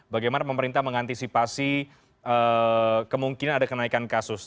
bagaimana pemerintah mengantisipasi kemungkinan ada kenaikan kasus